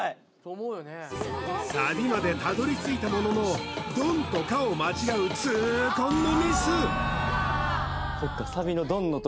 サビまでたどりついたものの「ドン」と「カッ」を間違う痛恨のミスんですね